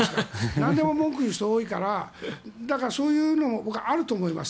何でも文句言う人が多いからそういうの、あると思います。